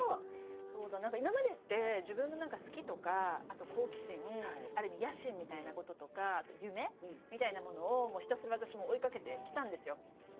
何か今までって自分の好きとかあと好奇心ある意味野心みたいなこととか夢みたいなものをひたすら私も追いかけてきたんですよ。